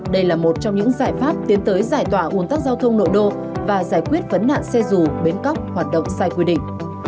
đây là một trong những giải pháp tiến tới giải tỏa uốn tắc giao thông nội đô và giải quyết vấn nạn xe dù bến cóc hoạt động sai quy định